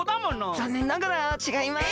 ざんねんながらちがいます。